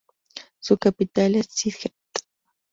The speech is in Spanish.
Su capital es Sylhet.